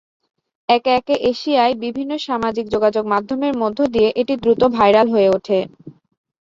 একে একে এশিয়ায় বিভিন্ন সামাজিক যোগাযোগ মাধ্যমের মধ্য দিয়ে এটি দ্রুত ভাইরাল হয়ে উঠে।